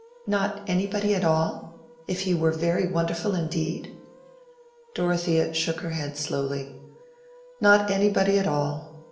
"Not anybody at all—if he were very wonderful indeed?" Dorothea shook her head slowly. "Not anybody at all.